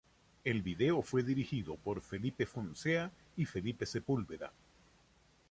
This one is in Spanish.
El video fue dirigido por Felipe Foncea y Felipe Sepulveda.